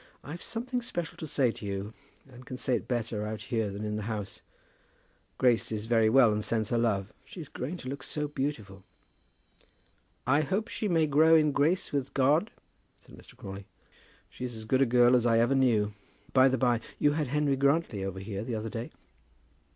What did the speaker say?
I've something special to say to you, and I can say it better out here than in the house. Grace is quite well, and sends her love. She is growing to look so beautiful!" "I hope she may grow in grace with God," said Mr. Crawley. "She's as good a girl as I ever knew. By the by, you had Henry Grantly over here the other day?"